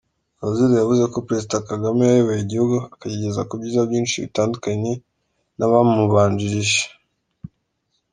Fazil yavuze ko Perezida Kagame yayoboye igihugu akakigeza ku byiza byinshi, bitandukanye n’abamubanjirije.